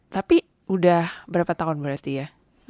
tapi udah berapa tahun berarti ya